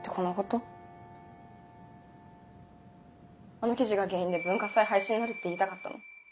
あの記事が原因で文化祭廃止になるって言いたかったの？